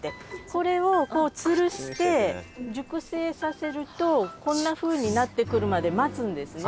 これをつるして熟成させるとこんなふうになってくるまで待つんですね。